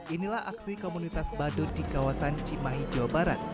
inilah aksi komunitas badut di kawasan cimahi jawa barat